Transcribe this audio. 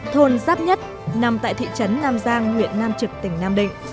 thôn giáp nhất nằm tại thị trấn nam giang huyện nam trực tỉnh nam định